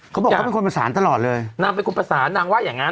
เขาบอกเขาเป็นคนประสานตลอดเลยนางเป็นคนประสานนางว่าอย่างงั้น